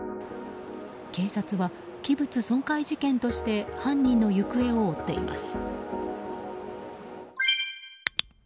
警察は器物損壊事件として犯人の行方を追っています。